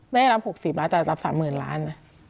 ไม่ได้รับ๖๐ล้านแต่ได้รับ๓๐ล้าน